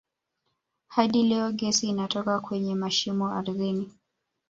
Hadi leo gesi inatoka kwenye mashimo ardhini